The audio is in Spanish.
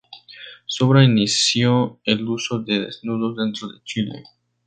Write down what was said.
Su obra inició el uso de desnudos dentro de Chile.